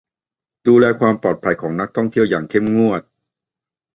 ดูแลความปลอดภัยของนักท่องเที่ยวอย่างเข้มงวด